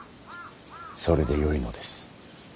それでよいのです。